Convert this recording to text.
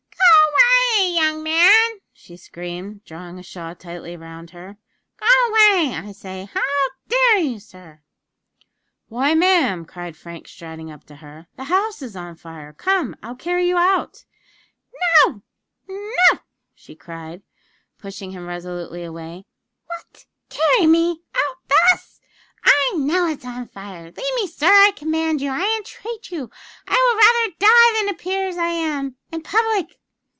"Go away, young man!" she screamed, drawing a shawl tightly round her. "Go away, I say! how dare you, sir?" "Why, ma'am," cried Frank, striding up to her; "the house is on fire! Come, I'll carry you out." "No No!" she cried, pushing him resolutely away. "What! carry me me out thus! I know it's on fire. Leave me, sir, I command you I entreat you; I will die rather than appear as I am in public."